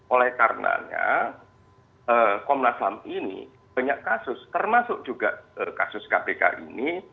oleh karenanya komnas ham ini banyak kasus termasuk juga kasus kpk ini